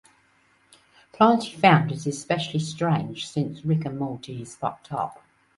Plante found it especially strange since "Rick and Morty" is "fucked up".